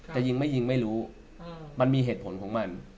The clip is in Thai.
จะยิงไม่ยิงไม่รู้มันมีเหตุผลของมัน